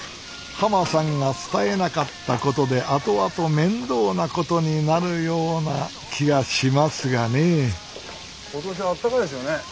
はまさんが伝えなかったことで後々面倒なことになるような気がしますがね今年はあったかいですよね。